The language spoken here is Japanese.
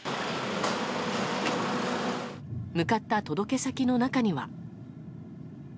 向かった届け先の中には。